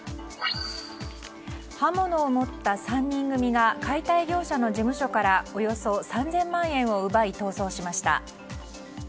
刃物を持った３人組が解体業者の事務所からおよそ３０００万円を奪い逃走しました。